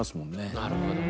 なるほど。